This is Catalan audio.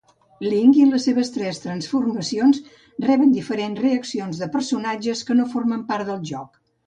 Link i les seves tres transformacions reben diferents reaccions de personatges que no formen part del joc.